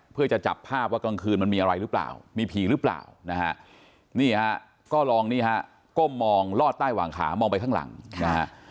เพื่อจะจับภาพว่ากลางคืนมันมีอะไรหรือเปล่ามีผีหรือเปล่านะฮะนี่ฮะก็ลองนี่ฮะก้มมองลอดใต้หวังขามองไปข้างหลังนะฮะ